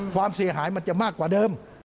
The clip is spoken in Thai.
ความเสียหายมันจะมากกว่าเดิม